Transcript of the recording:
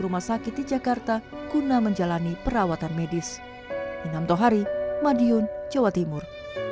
rumah sakit di jakarta guna menjalani perawatan medis inam tohari madiun jawa timur